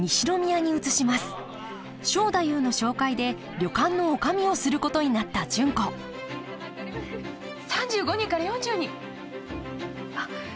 正太夫の紹介で旅館の女将をすることになった純子３５人から４０人あっ高校野球の？